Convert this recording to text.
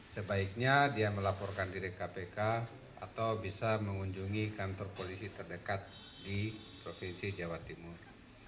sebaiknya dia melaporkan diri kpk atau bisa mengunjungi kantor polisi terdekat di provinsi jawa timur